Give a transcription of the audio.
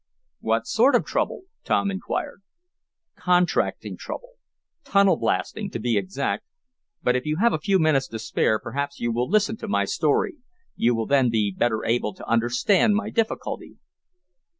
"What sort of trouble?" Tom inquired. "Contracting trouble tunnel blasting, to be exact. But if you have a few minutes to spare perhaps you will listen to my story. You will then be better able to understand my difficulty."